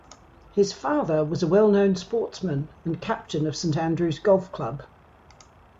His father was a well-known sportsman and Captain of Saint Andrews Golf Club.